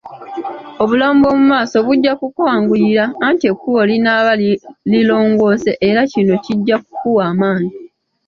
Obulamu bw'omu maaso bujja kukwanguyira, anti ekkubo linaaba lirongoose era kino kijja kukuwa amaanyi.